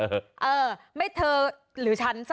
ก็คือเธอนี่มีความเชี่ยวชาญชำนาญ